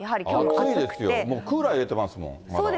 暑いですよ、クーラー入れてますもん、まだ。